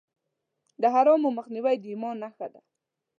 د حرامو مخنیوی د ایمان نښه ده.